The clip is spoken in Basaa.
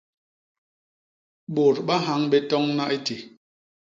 Bôt ba nhañ bé toñna i ti.